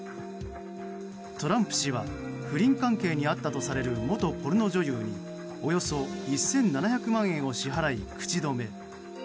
トランプ氏は不倫関係にあったとされる元ポルノ女優におよそ１７００万円を支払い口止め。